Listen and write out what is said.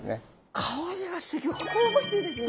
香りがすギョく香ばしいですね。